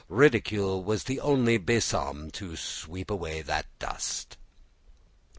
Ridicule was the only besom to sweep away that dust.